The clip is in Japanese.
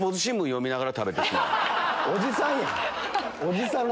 おじさんやん！